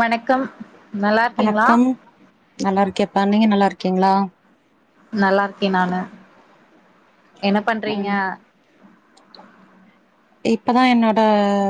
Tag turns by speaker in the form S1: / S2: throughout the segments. S1: வணக்
S2: வணக்கம் நல்லா இருக்கேப்பா நீங்க நல்லா இருக்கீங்களா
S1: நல்லா இருக்கே நானு என்ன பண்றீங்க
S2: ம் இப்பதா என்னோட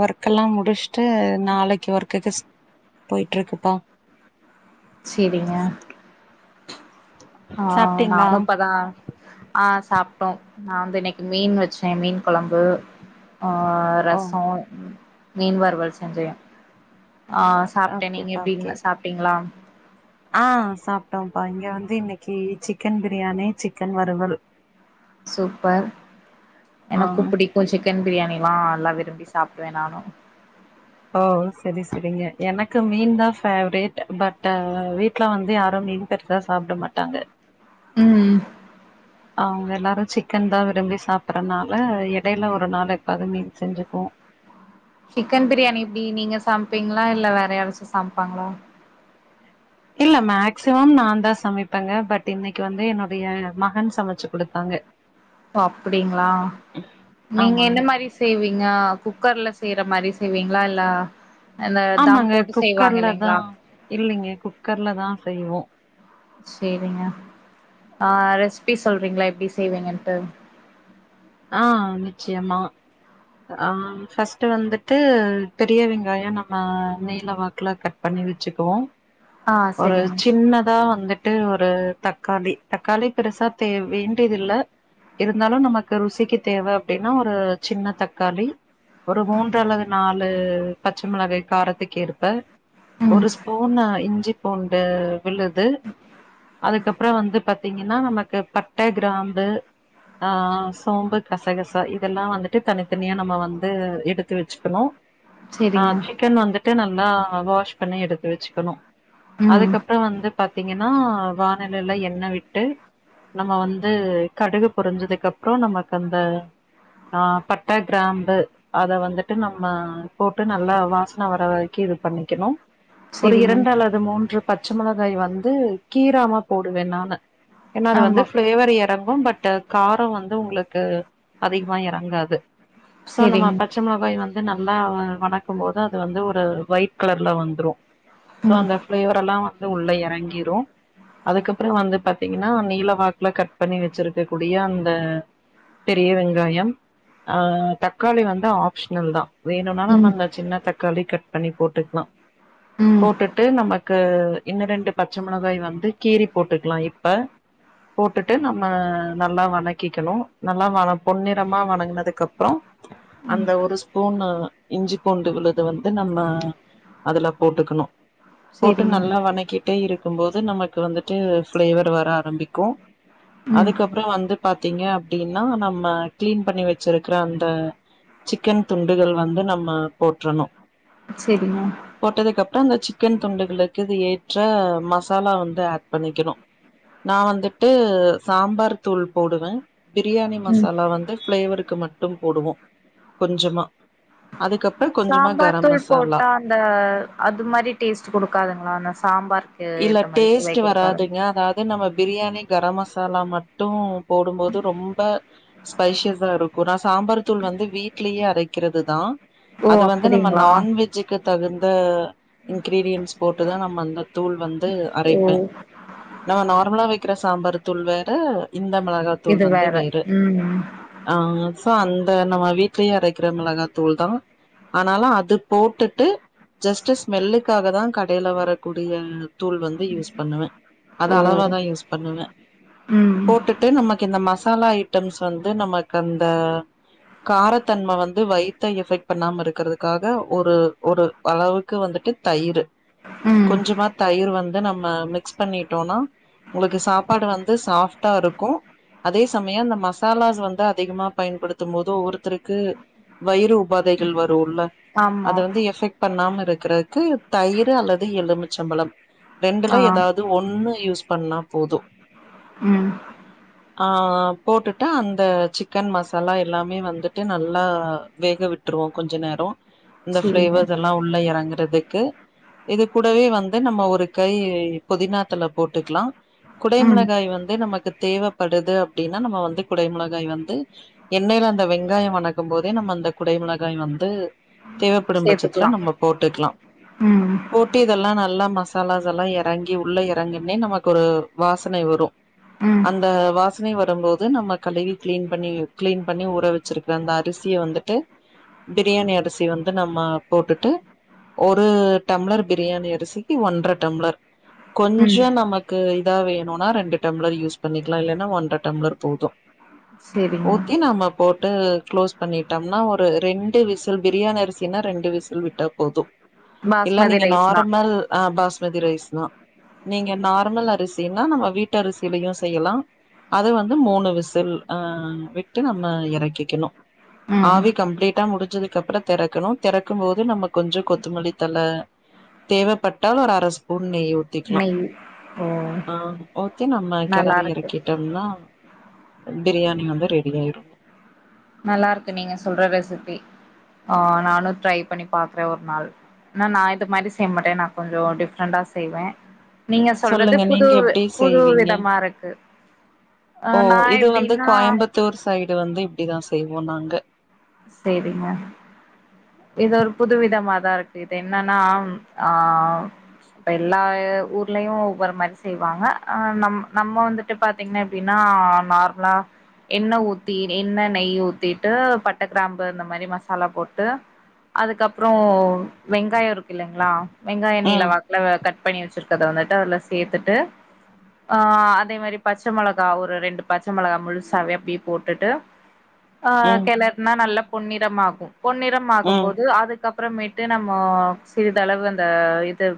S2: ஒர்க்கெல்லாம் முடிச்சுட்டு நாளைக்கு ஒர்க்குக்கு ஸ் போய்ட்டு இருக்குப்பா
S1: சேரிங்க ஆ
S2: சாப்ட்டீங்களா
S1: நானு இப்பதா ஆ சாப்டோம் நா வந்து இன்னைக்கு மீன் வச்சே மீன் கொழம்பு ஆ
S2: ஓ
S1: ரசோ மீன்வறுவல் செஞ்சே ஆ சாப்டே நீங்க
S2: ஓகேப்பா
S1: எப்டி
S2: ஓகே
S1: ன்ன சாப்டீங்களா
S2: ஆ சாப்டோம்ப்பா இங்க வந்து இன்னைக்கு சிக்கன் பிரியாணி சிக்கன் வறுவல்
S1: சூப்பர்
S2: ஆ
S1: எனக்கு பிடிக் க்கு சிக்கன் பிரியாணிலா நல்லா விரும்பி சாப்டுவே நானு
S2: ஓ செரி செரிங்க எனக்கு மீன் தான் ஃபேவரேட் பட் அ வீ ட்ல வந்து யாரும் மீன் கறிலா சாப்ட மாட்டாங்க
S1: ம்
S2: அவங்க எல்லாரும் சிக்கன் தா விரும்பி சாப்பறதுனால எடையில ஒரு நாள் எப்வாது மீன் செஞ்சுப்போம்
S1: சிக்கன் பிரியாணி எப்டி நீங்க சமப்பீங்களா இல்ல வேற யாறாச்சும் சமப்பாங்களா
S2: இல்ல மேக்சிமம் நான் தா சமப்பேங்க பட் இன்னைக்கு வந்து என்னுடைய மகன் சமச்சு கொடுத்தாங்க
S1: ஒ அப்டிங்களா நீங்க எந்த
S2: ஆமாங்க
S1: மாரி செய்வீங்க குக்கர்ல செய்யற மாரி செய்வீங்களா இல்ல அந்த தம்
S2: ஆமாங்க
S1: போட்டு செய்வாங்க
S2: குக்கர்ல
S1: இல்லைங்களா
S2: தான் இல்லைங்க குக்கர்ல தா செய்வோம்
S1: சேரிங்க ஆ ரெச்பி சொல்றீங்களா எப்டி செய்வேங்கன்ட்டு
S2: ஆ நிச்சயமா ஆ ஃபஸ்ட்டு வந்துட்டு பெரிய வெங்காயம் நம்ம நீல வாக்குல கட் பண்ணி வெச்சுக்குவோ
S1: ஆ
S2: ஒரு
S1: செரிங்க
S2: சின்னதா வந்து ட்டு ஒரு தக்காளி தக்காளி பெருசா தே வேண்டியதில்ல இருந்தாலு நமக்கு ருசிக்கு தேவ அப்டின்னா ஒரு சின்ன தக்காளி ஒரு மூன்று அல்லது நாலு பச்ச மொளகாய் காரத்துக்கேற்ப
S1: ம்
S2: ஒரு ஸ்பூன்னு இஞ்சி பூண்டு விழுது அதுக்கப்பற வந்து பாத்தீங்கன்னா நமக்கு பட்ட கிராம்பு ஆ சோம்பு கசகச இதெல்லா வந்துட்டு தனித்தனியா நம்ம வந்து எடுத்து வெச்சுக்கணு ஆ
S1: செரிங்க
S2: சிக்கன் வந்துட்டு நல்லா வாஷ் பண்ணி எடுத்து வச்சுக்கணு
S1: ம்
S2: அதுக்கப்பற வந்து பாத்தீங்கன்னா வானலில எண்ண விட்டு நம்ம வந்து கடுகு பொரிஞ்சதுக்கு அப்றோ நமக்கு அந்த ஆ பட்ட கிராம்பு அத வந்துட்டு நம்ம போட்டு நல்லா வாசன வர வரைக்கு இது பண்ணிக்கணு ஒரு
S1: செரிங்க
S2: இரண்டு அல்லது மூன்று பச்ச மொளகாய் வந்து கீராம போடுவே நானு ஏன்னா அது
S1: ஆமா
S2: வந்து ஃப்ளேவர் எறங் கும் பட்டு காரம் வந்து உங்களுக்கு அதிகமா எறங்காது சோ நம்ம
S1: செரிங்க
S2: பச்ச மொளகாய வந்து நல்லா வனக்கும் போது அது வந்து ஒரு ஒயிட் கலர்ல வந்துரு சோ
S1: ம்
S2: அந்த ஃப்ளேவர எல்லா வந்து உள்ள எறங்கிரு அதுக்கப்பற வந்து பாத்தீங்கன்னா நீல வாக்குல கட் பண்ணி வச்சிருக்கக்கூடிய அந்த பெரிய வெங்காயம் ஆ தக்காளி வந்து ஆப்ஷனல் தா வேணுனா நம்ம
S1: ம்
S2: அந்த சின்ன தக்காளி கட் பண்ணி போட்டுக்லா
S1: ம்
S2: போட்டுட்டு நம்ம க்கு இன்ன ரெண்டு பச்ச மொளகாய் வந்து கீரி போட்டுக்லா இப்ப போட்டுட்டு நம்ம நல்லா வணக்கிக்கணு நல்லா பொன்னிறமா வணங்குனதுக்கு அப்பறோ அந்த ஒரு ஸ்பூனு இஞ்சி பூண்டு விழுது வந்து நம்ம அதுல போட்டுக்கணு போட்டு
S1: செரிங்க
S2: நல்லா வணக்கிட்டே இருக்கும் போது நமக்கு வந்துட்டு ஃப்ளேவர் வர ஆரம்பிக்கு
S1: ம்
S2: அதுக்கப்பற வந்து பாத்தீங்க அப்டின்னா நம்ம கிளீன் பண்ணி வச்சிருக்கற அந்த சிக்கன் துண்டுகள் வந்து நம்ம போட்றணு
S1: செரிங்க
S2: போட்டதுக்கு அப்பற அந்த சிக்கன் துண்டுகளுக்கு இது ஏற்ற மசாலா வந்து ஆட் பண்ணிக்கணு நா வந்துட்டு சாம்பார் தூள் போடுவே பிரியாணி
S1: ம்
S2: மசாலா வந்து ஃப்ளேவர்க்கு மட்டு போடுவோ கொஞ்சமா அதுக்கப்பற கொஞ்சமா கரம் மசாலா
S1: இந்த அது மாரி டேஸ்ட்டு குடுக்காதுங்ளா அந்த சாம்பார்க்கு ஏத்த மாரி சுவை குடுக்காதுங்ளா
S2: இது நம்ம பிரியாணி கரம் மசாலா மட்டு போடும்போது ரொம்ப ஸ்பைசியஸ்ஸா இருக்கு நா சாம்பார் தூள் வந்து வீட்லேயே அரைக்கிறதுதா
S1: ஓ
S2: அது வந்து நம்ப
S1: அப்டிங்களா
S2: நான்வெஜ்ஜுக்கு தகுந்த இன்கிரீடியன்ஸ் போட்டு தா நம்ம அந்த தூள் வந்து அரைப்பே
S1: ஓ
S2: நம்ம நார்மலா வக்கிற சாம்பார் தூள் வேற இந்த மிளகா
S1: இது வேற ம் ம்
S2: ஆ சோ அந்த நம்ம வீட்லேயே அரைக்கிற மிளகாத்தூள் தா ஆனாலு அது போட்டுட்டு ஜஸ்ட் ஸ்மெல்லு க்காக தா கடையில வரக்கூடிய தூள் வந்து யூஸ் பண்ணுவே அத
S1: ஓ
S2: அளவா தா யூஸ் பண்ணுவே
S1: ம்
S2: போட்டுட்டு நமக்கு இந்த மசாலா ஐட்டம்ஸ் வந்து நமக்கு அந்த காரத்தன்மை வந்து வயித்த எஃபெட் பண்ணாம இருக்கிறதுக்காக ஒரு ஒரு அளவுக்கு வந்துட்டு தயிரு
S1: ம்
S2: கொஞ்சமா தயிரு வந்து நம்ம மிக்ஸ் பண்ணிட்டோனா உங்களுக்கு சாப்பாடு வந்து சாஃப்ட்டா இருக்கு அதே சமயோ அந்த மசாலாஸ் வந்து அதிகமா பயன்படுத்தும் போது ஒவ்வொருத்தருக்கு வயிறு உபாதைகள் வருல்ல அத
S1: ஆமா
S2: வந்து எஃபெக்ட் பண்ணாம இருக்கிறதுக்கு தயிரு அல்லது எலுமிச்சம்பழம்
S1: ஆ
S2: ரெண்டுல ஏதாது ஒன்னு யூஸ் பண்ணா போது
S1: ம்
S2: ஆ போட்டுட்டா அந்த சிக்கன் மசாலா எல்லாமே வந்துட்டு நல்லா வேகவிட் ருவோ கொஞ்ச நேரோ இந்த
S1: செரிங்க
S2: பிளேவர்ஸ் எல்லா உள்ள எறங்குறது க்கு இது கூடவே வந்து நம்ம ஒரு கை புதினா தல போட்டுக்லா
S1: ம்
S2: குடைமிளகாய் வந்து நமக்கு தேவப்படுது அப்டின்னா நம்ம வந்து குடை மிளகாய் வந்து எண்ணெய்ல அந்த வெங்காயோ வணக்கும் போதே நம்ம அந்த குடை மிளகாய் வந்து தேவப்படும் பட்சத்துல
S1: சேத்துக்கலா
S2: நம்ம போட்டுக்லா
S1: ம் ம்
S2: போட்டு இதெல்லா நல்லா மசாலாஸ் எல்லா எறங்கி உள்ள எறங்கின்னே நமக்கு ஒரு வாசனை வரு
S1: ம்
S2: அந்த வாசனை வரும்போது நம்ம கழுவி கிளீன் பண்ணி கிளீன் பண்ணி ஊற வச்சிருக்குற அந்த அரிசிய வந்து த்து பிரியாணி அரிசி வந்து நம்ம போட்டுட்டு ஒரு டம்ளர் பிரியாணி அரிசிக்கு ஒன்ற டம்ளர்
S1: ம்
S2: கொஞ்சோ நமக் க்கு இதா வேணுனா ரெண்டு டம்ளர் யூஸ் பண்ணிக்லா இல்லன்னா ஒன்ற டம்ளர் போது
S1: செரிங்க
S2: ஊத்தி நாம போட்டு க்ளோஸ் பண்ணிட்டோம்னா ஒரு ரெண்டு விசில் பிரியாணி அரிசின்னா ரெண்டு விசில் விட்டா போது இல்ல
S1: பாஸ்மதி
S2: நீங்க
S1: ரைஸ்னா
S2: நார்மல் அ பாஸ்மதி ரைஸ் தா நீங்க நார்மல் அரிசின்னா நம்ம வீட்டு அரிசிலையு செய்யலா அது வந்து மூணு விசில் அ விட்டு நம்ம இறக்கிக்கணு
S1: ம்
S2: ஆவி கம்ளீட்டா முடிஞ்சதுக்கு அப்புற திறக்கணு திறக்கும் போது நம்ம கொஞ்ச கொத் துமல்லி தல தேவைப்பட்டால் ஒரு அர ஸ்பூன் நெய் ஊத்திக்லா
S1: நெய் ஓ
S2: ஆ ஓகே நம்ம கெளறி
S1: நல்லாருக்கு
S2: எறக்கிட்டோம்னா பிரியாணி வந்து ரெடி ஆயிரு
S1: நல்லா இருக்கு நீங்க சொல்ற ரெசிபி ஆ நானு ட்ரை பண்ணி பாக்குறே ஒரு நாள் என்னா நா இது மாரி செய்ய மாட்டே நா கொஞ்சோ டிஃப்ரெண்டா செய்வே நீங்க சொல்றது
S2: சொல்லுங்க நீங்க
S1: புதுவு
S2: எப்டி
S1: புது
S2: செய்வீங்க
S1: விதமா இருக்கு அ நா எப்டின்னா
S2: பித்தூர் சைடு வந்து இப்டிதா செய்வோ நாங்க
S1: சேரிங்க இது ஒரு புதுவிதமாதா இருக்கு இது என்னன்னா ஆ இப்ப எல்லா ஊர்லயு ஒவ்வொரு மாறி செய்வாங்க ஆனா நம் நம்ம வந்து ட்டு பாத்தீங்கன்னா எப்படின்னா நார்மலா எண்ண ஊத்தி எண்ண நெய் ஊத்திட்டு பட் பட்ட கிராம்பு இந்த மாறி மசாலா போட்டு அதுக்கப்புறோ வெங்காயோ இருக்கு இல்லைங்களா வெங்காயோ நீல
S2: ம்
S1: வாக்ல வ கட் பண்ணி வெச்சிருக்கறத வந்துட்டு அதுல சேத்துட்டு ஆ அதே மாரி பச்ச மொளகா ஒரு ரெண்டு பச்ச மொளகா முழுசாவே அப்டியே போட்டுட்டு ஆ
S2: ம்
S1: கெளறுனா நல்ல பொன்னிறம் ஆகு பொன்னிறம்
S2: ம்
S1: ஆகும்போது அதுக்கப் புறமேட்டு நம்மோ சிறிதளவு அந்த இது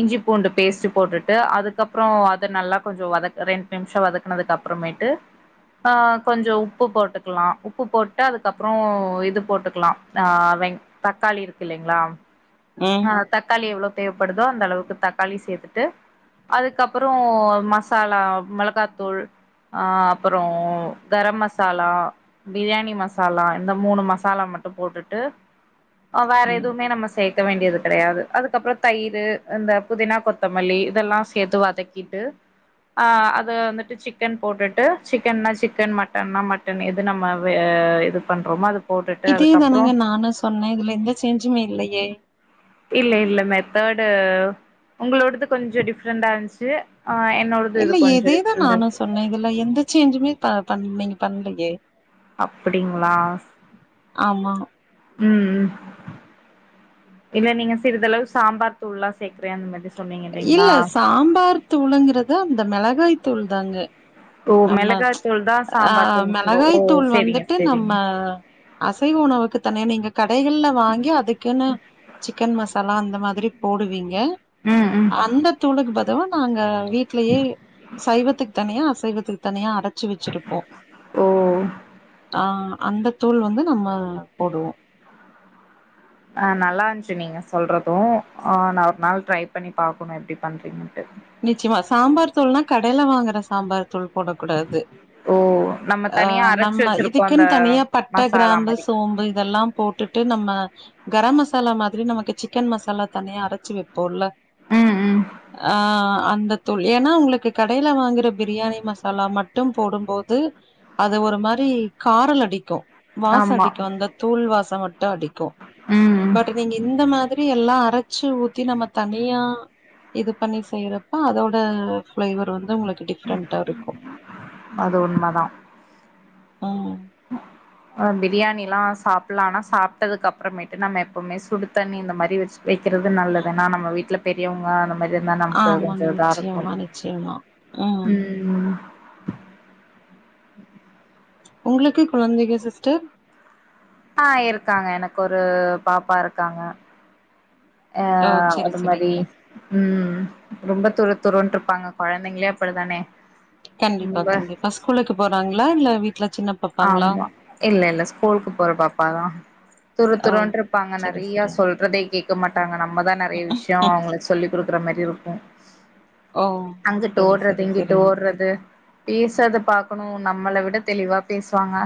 S1: இஞ்சி பூண்டு பேஸ்ட் போட்டுட்டு அதுக்கப்புறோ அத நல்லா கொஞ்சோ வதக் ரெண்டு நிமிஷோ வதக்குனத்துக்கு அப் புறமேட்டு அ கொஞ்சோ உப்பு போட்டுக்கலா உப்பு போட்டு அதுக் கப்புறோ இது போட்டுக்கலா ஆ வெங் தக்காளி இருக்கு இல்லைங்களா
S2: ம்
S1: அ தக்காளி எவ்ளோ தேவப்படுதோ அந்த அளவுக்கு தக்காளி சேத்துட்டு அதுக்கப்புறோ மசாலா மெளகாத்தூள் ஆ அப்புறோ கரம் மசாலா பிரியாணி ம சாலா இந்த மூணு மசாலா மட்டு போட்டுட்டு அ வேற
S2: ம்
S1: எதுவுமே நம்ம சேக்க வேண்டியது கடையாது அதுக்கப்புறம் தயிரு இந்த புதினா கொத்தமல்லி இதெல்லா சேத்து வதக்கிட்டு அ அது வந்துட்டு சிக்கன் போட்டுட்டு சிக்கன்னா சிக்கன் மட்டன்னா மட்டன் எது நம்ம வே இது பண்றமோ அது போட்டுட்டு
S2: இதே
S1: அதுக்கப்புறோ
S2: தானங்க நானு சொன்ன இதுல எந்த செஞ்சுமே இல்லயே
S1: இல்ல இல்ல மெத்தர்ட்டு உங்களோடது கொஞ்சோ டிஃப்ரெண்டாருந்துச்சு அ என்னோட
S2: இல்லயே இதேதா நானு சொன்னே இதுல எந்த சேஞ்சுமே ம் ப பண்ல நீங்க பண்லையே
S1: அப்டிங்களா
S2: ஆமா
S1: ம் ம் இல்ல நீங்க சிறிதளவு சாம்பார் தூள்ல்லா சேக்குறே அந்த மாரி சொன்னீங்க
S2: இல்ல
S1: இல்லைங்ளா
S2: சாம்பார் தூளுங்கறது அந்த மிளகாய் தூள் தாங்க
S1: ஓ
S2: நம்ம
S1: மிளகாய்த்தூள் தா
S2: ஆ
S1: சாம்பார் தூள்னு சொல்றோ
S2: மோளகாய்
S1: ஓ
S2: தூள்
S1: செரிங்க
S2: வந்துட்டு நம்ம
S1: செரிங்க
S2: அசைவ உணவுக்கு தனியா நீங்க கடைகள்ல வாங்கி அதுக்குன்னு சிக்கன் மசாலா அந்த மாதிரி போடுவீங்க
S1: ம் ம்
S2: அந்த தூளுக்கு பதிலா நாங்க வீட்லயே சைவத்துக்கு தனியா அசைவத்துக்கு தனியா அர ச்சு வச்சிருப்போ
S1: ஓ
S2: ஆ அந்த தூள் வந்து நம்ம போடுவோ
S1: அ நல்லாருன்ச்சு நீங்க சொல்றது அஆ நா ஒரு நாள் ட்ரை பண்ணி பாக்குணு எப்டி பண்றீங்கன்ட்டு
S2: நிச்சயமா சாம்பார் தூள்னா கடையில வாங்குற சாம்பார் தூள் போட கூடாது
S1: ஓ நம்ம
S2: அ
S1: தனியா அரச்சு
S2: நம்ம
S1: வச்சிருப்போ அந்த
S2: இதுக்குன்னு தனியா பட்ட
S1: மசாலா
S2: கிராம்பு
S1: மாரி
S2: சோம்பு இதெல்லா போட்டு ட்டு நம்ம கரம் மசாலா மாதிரி நமக்கு சிக்கன் மசாலா தனியா அரைச்சு வைப்போல்ல
S1: ம் ம்
S2: அ அ அந்த தூள் ஏன்னா உங்களுக்கு கடையில வாங்கற பிரியாணி மசாலா மட்டும் போடும்போது அது ஒரு மாரி காரல் அடிக்கு வாசோ
S1: ஆமா
S2: அடிக்கு அந்த தூள் வாசம் மட்டு அடிக்கு
S1: ம் ம்
S2: பட்டு நீங்க இந்த மாதிரியெல்லா அரைச்சு ஊத்தி நம்ம தனியா இது பண்ணி செய்றப் ப அதோட ஃப்ளேவர் வந்து உங்களுக்கு டிஃப்ரெண்ட்டாருக்கு
S1: அது உண்ம தா
S2: ம்
S1: ம் பிரியாணியெல்லா சாப்பிட்லா ஆனா சாப்பிட்டதுக்கு அப்புறமேட்டு நம்ம எப்பவுமே சுடு தண்ணி இந்த மாறி வச்சு வெக்கிறது நல்லதுன்னா நம்ம வீட்ல பெரியவங்க நம் இந்தமேரி இருந்தா நமக்கு
S2: ஆமாங்க.
S1: கொஞ்சோ இதாருக்கு
S2: நிச்சயமா, நிச்சயமா.
S1: ம் ம் ம்
S2: உங்ளுக்கு கொழந்தைங்க சிஸ்டர்
S1: அ இருக்காங்க எனக்கு ஒரு பாப்பாருக்காங்க அ
S2: ஓ! சரி,
S1: அது மாறி
S2: சரிங்க.
S1: ம் ரொம்ப துரு துருன்ட்டு இருப்பாங்க கொழந்தைங்களே அப்டிதான
S2: கண்டிப்பா கண்டிப்பா ஸ்கூலுக்கு போறாங்களா இல்ல வீட்ல சின்னப்
S1: ஆமா இல்லல்ல ஸ்கூலுக்கு போற பாப்பாதா துரு
S2: ஓ!
S1: துருன்ட்ருப்பாங்க
S2: சரி,
S1: நறைய
S2: சரி.
S1: சொல்றதே கேக் இருக்க மாட்டாங்க நம்மதா நறைய விஷ்யோ அவுங்ளுக் சொல்லி் குடுக்குற மரி இருக்கு
S2: ஓ
S1: அங்குட்டு
S2: சரி
S1: ஓட்றது
S2: சரி
S1: இங்குட்டு
S2: சரிங்க
S1: ஓட்றது பேசறத பாக்கணோ நம்மள விட தெளிவா பேசுவாங்க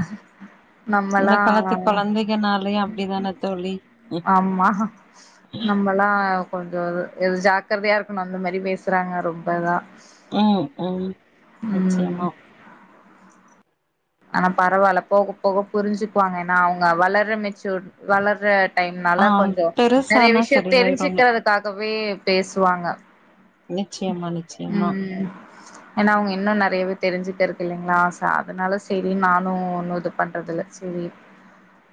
S2: இந்த
S1: நம்மல்லா
S2: காலத்து கொழந்தைங்கனாலே அப்டிதான தோழி
S1: ஆமா நம்மல்லா கொஞ்சோ இது எது ஜாக்கர்தையா இருக்கனோ அந்த மாரி பேசுறாங்க ரொம்பதா
S2: ம் ம் நிச்சயமா
S1: ஆனா பரவால்ல போக போக புரிஞ்சுக்வாங்க ஏன்னா அவங்க வளர்ற மெச்சூட் வளர்ற
S2: ஆ
S1: டைம்னால கொஞ்சோ நெறைய
S2: பெருசானா
S1: விஷய
S2: சரியாயிருங்க
S1: தெரிஞ்சுக்கறதுக் க்காகவே பேசுவாங்க
S2: நிச்சயமா நிச்சயமா
S1: ம் ஏன்னா அவங்க இன்னோ நெறையவே தெரிஞ்சுக்கறது இல்லிங்ளா‌சோ அதனால செரி நானு ஒன்னும் இது பண்றதுல்ல செரி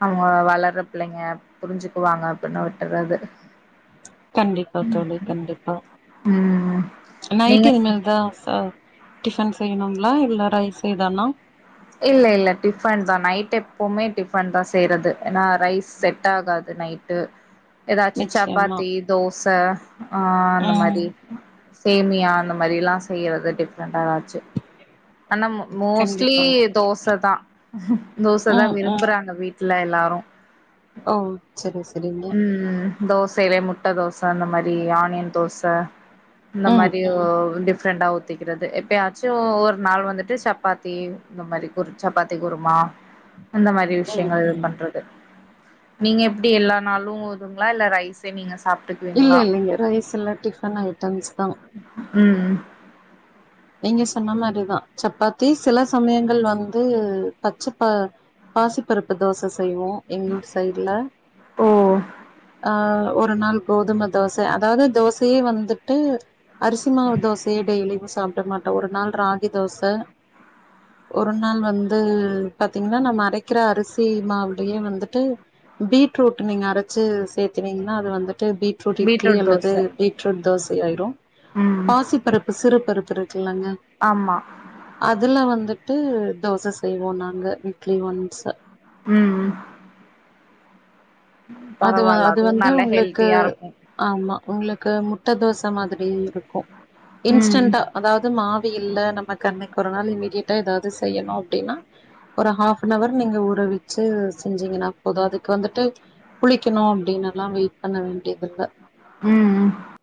S1: அவங்க வளர்ற பிள்ளைங்க புரிஞ்சுக்குவாங்க அப்டின்னு விட்டுறது
S2: கண்டிப்பா தோழி கண்டிப்பா
S1: ம் நீங்க
S2: நைட்டு இனிமேல் தா சா டிஃபன் செய்யணுங்ளா இல்ல ரைஸே தானா
S1: இல்ல இல்ல டிஃபன் தா நைட் எப்பமே டிஃபன் தா செய்றது ஏன்னா ரைஸ் செட் ஆகாது நைட் டு எதாச்சி
S2: நிச்சயமா
S1: சப்பாத்தி தோச ஆ அந்த
S2: ம்
S1: மாறி சேமியா அந்த மாறில்லா செய்யறது டிஃப்ரெண்டா எதாச்சு ஆனா மோஸ்ட்லி
S2: கண்டிப்பாங்க
S1: தோச தா தோச தா
S2: ம் ம்
S1: விரும்புறாங்க வீட்ல எல்லாரு
S2: ஓ செரி செரிங்க
S1: ம் தோசைலயே முட்ட தோச அந்த மாறி ஆனியன் தோச இந்த
S2: ம்
S1: மாறி ஓ‌
S2: ம்
S1: டிஃப்ரெண்ட்டா ஊத்திக்கிறது எப்பயாச்சோ ஒரு நாள் வந்துட்டு சப்பாத்தி இந்த மாறி ஒரு சப்பாத்தி குருமா இந்த மாறி
S2: ம்
S1: விஷயங்கள்
S2: ம்
S1: பண்றது நீங்க எப்டி எல்லா நாளும் துங்ளா இல்ல ரைஸே நீங்க சாப்ட்டுக்கு
S2: இல்ல இல்லங்க ரைஸ் இல்ல டிஃபன் ஐட்டம்ஸ் தா
S1: ம் ம்
S2: நீங்க சொன்ன மாறிதா சப்பாத்தி சில சமயங்கள் வந்து பச்சப்ப பாசிப்பருப்பு தோச செய்வோ எங்க ஊர் சைட்ல
S1: ஓ
S2: ஆ ஒரு நாள் கோதும தோச அதாவ்து தோசயே வந்துட்டு அரிசி மாவு தோசையே டெய்லியும் சாப் ட மாட்டோ ஒரு நாள் ராகி தோச ஒரு நாள் வந்து பாத்தீங்ன்னா நம்ம அரைக்கிற அரிசி மாவுலயே வந்துட்டு பீட்ரூட் நீங்க அரச்சு சேத்துனீங்ன்னா அது வந்துட்டு பீட் ரூட் இட்லி
S1: பீட்ரூட்
S2: அல்லது
S1: தோச
S2: பீட்ரூட் தோச ஆயிரும்
S1: ம்
S2: பாசி பருப்பு சிறு பருப்பு இருக் ங்க
S1: ஆமா
S2: அதுல வந்துட்டு தோச செய்வோ நாங்க வீக்லி ஒன்ஸ
S1: ம்ம்
S2: அது வ
S1: பரவால்ல
S2: அது
S1: அதுவு
S2: வந்து
S1: நல்ல
S2: உங்ளுக்கு
S1: ஹெல்த்தியா இருக்கு
S2: ஆமா உங்ளுக்கு முட்ட தோச மாதிரி இருக்கு
S1: ம்
S2: இன்ஸ்டன்டா அதாவ்து மாவு இல்ல நமக்கன்னைக்கு ஒரு நாள் இம்மீடியட்டா ஏதாவ்து செய்யனு அப்டின்னா ஒரு ஹாஃப்பனவர் நீங்க ஊறவெச்சு செஞ்சீங்கன்னா போது அதுக்கு வந்துட்டு புளிக்கனோ அப்டின்னுல்லா வெயிட் பண்ண வேண்டிதில்ல
S1: ம் ம்